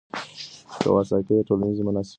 کواساکي د ټولنیزو مناسباتو څېړنه کوي.